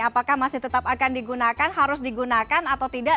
apakah masih tetap akan digunakan harus digunakan atau tidak